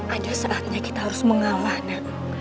ada saatnya kita harus mengalahkan